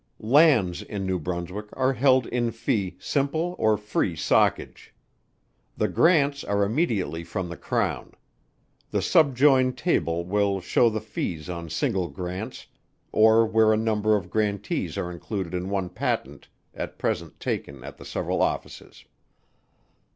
Lands in New Brunswick are held in fee simple or free socage. The grants are immediately from the Crown. The subjoined table will shew the fees on single Grants, or where a number of Grantees are included in one patent, at present taken at the several offices.